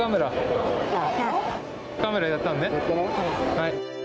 はい。